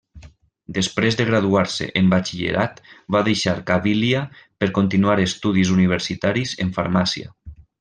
Després de graduar-se en batxillerat va deixar Cabília per continuar estudis universitaris en Farmàcia.